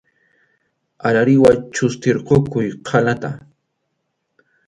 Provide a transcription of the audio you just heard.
Arariwa chʼustirqukuq qʼalata.